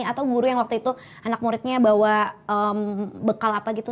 atau guru yang waktu itu anak muridnya bawa bekal apa gitu